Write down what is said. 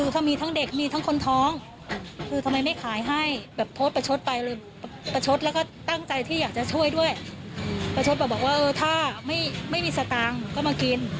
ที่อยากจะช่วยด้วยประชาชนบอกว่าถ้าไม่มีสตางค์ก็มากิน